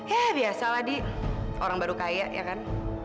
ya biasa ladi orang baru kaya ya kan